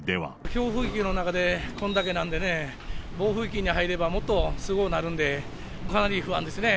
強風域の中で、これだけなんでね、暴風域に入れば、もっとすごうなるんで、かなり不安ですね。